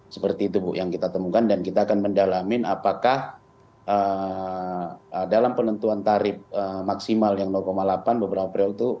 seperti itu bu yang kita temukan dan kita akan mendalamin apakah dalam penentuan tarif maksimal yang delapan beberapa periode itu